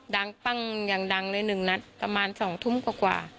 ดังปั้งอย่างดังเลย๑นัดประมาณ๒ทุ่มกว่า